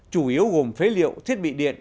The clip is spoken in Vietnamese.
chủ yếu gồm phế liệu thiết bị điện